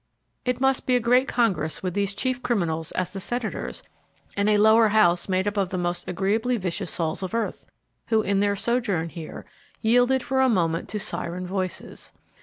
It must be a great congress with these chief criminals as the senators and a lower house made up of the most agreeably vicious souls of earth, who, in their sojourn here, yielded for a moment to siren voices.